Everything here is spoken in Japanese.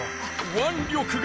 腕力が。